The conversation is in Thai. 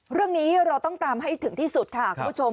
เรื่องนี้เราต้องตามให้ถึงที่สุดค่ะคุณผู้ชม